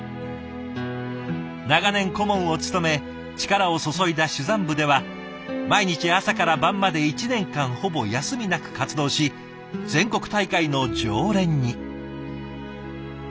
長年顧問を務め力を注いだ珠算部では毎日朝から晩まで１年間ほぼ休みなく活動し全国大会の常連に。